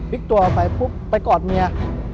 พลิกตัวไปกอดเมีย